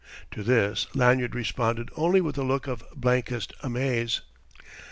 To this Lanyard responded only with a look of blankest amaze.